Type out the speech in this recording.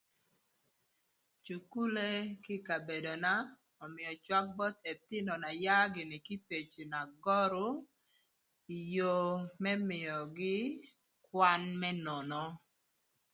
Cukule kï kabedona ömïö cwak both ëthïnö n'aya kï peci na görü ï yoo më mïögï kwan më nono.